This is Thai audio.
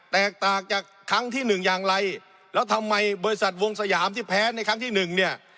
แตกต่างจากครั้งที่หนึ่งอย่างไรแล้วทำไมบริษัทวงสยามที่แพ้ในครั้งที่หนึ่งเนี่ย